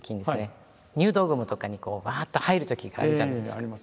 入道雲とかにこうばっと入るときがあるじゃないですか。